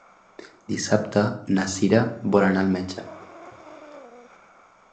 Dissabte na Sira vol anar al metge.